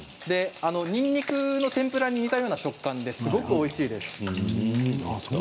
にんにくの天ぷらに似た食感がすごくおいしいです。